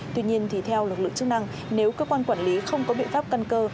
tuy nhiên thì theo lực lượng chức năng nếu cơ quan quản lý không có biện pháp căn cơ